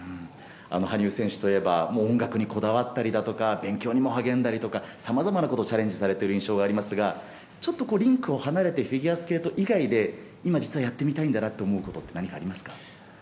羽生選手といえば音楽にこだわったりだとか勉強にも励んだりとかさまざまなことにチャレンジされている印象がありますがちょっとリンクを離れてフィギュアスケート以外で今、やってみたいことって何かありますか？